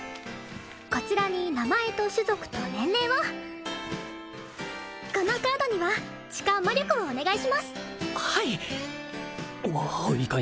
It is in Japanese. こちらに名前と種族と年齢をこのカードには血か魔力をお願いしますはいいかん